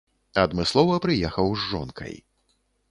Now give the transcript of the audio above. Адмыслова прыехаў з жонкай.